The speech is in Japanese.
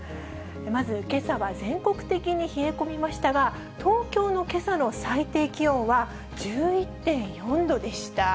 まずけさは全国的に冷え込みましたが、東京のけさの最低気温は１１．４度でした。